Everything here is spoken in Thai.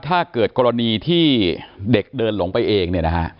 ถ้าเกิดกรณีที่เด็กเดินหลงไปเอง